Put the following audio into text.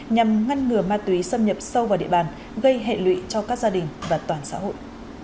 nhằm ngăn ngừa ma túy xâm nhập sâu vào địa bàn gây hệ lụy cho các gia đình và toàn xã hội